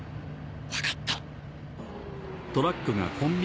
わかった。